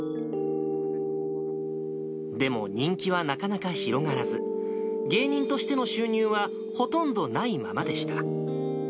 でも、人気はなかなか広がらず、芸人としての収入はほとんどないままでした。